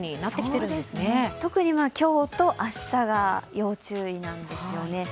そうですね、特に今日と明日が要注意なんですよね。